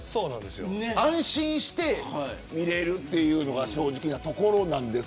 安心して見られるというのが正直なところです。